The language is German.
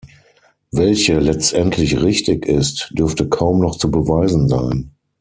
Welche letztendlich richtig ist, dürfte kaum noch zu beweisen sein.